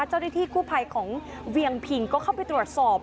เจ้าหน้าที่กู้ภัยของเวียงผิงก็เข้าไปตรวจสอบ